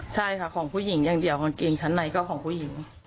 ใช่ค่ะของผู้หญิงอย่างเดียวกางเกงชั้นในก็ของผู้หญิง